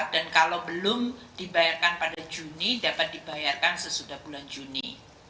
dan kalau belum dibayarkan pada juni dapat dibayarkan sesudah bulan juni